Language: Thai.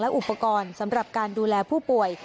อุปกรณ์สำหรับการดูแลผู้ป่วย